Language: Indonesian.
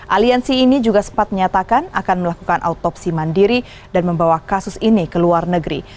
aliansi ini juga sempat menyatakan akan melakukan autopsi mandiri dan membawa kasus ini ke luar negeri